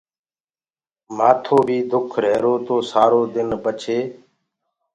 مآٿو بيٚ دُک ريهرو تو سآرو دن پڇي